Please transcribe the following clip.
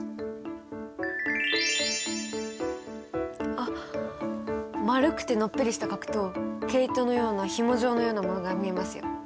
あっ丸くてのっぺりした核と毛糸のようなひも状のようなものが見えますよ。